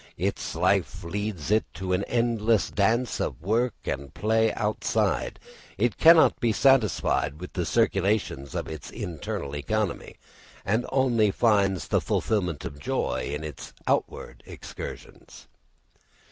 Its life leads it to an endless dance of work and play outside; it cannot be satisfied with the circulations of its internal economy, and only finds the fulfilment of joy in its outward excursions.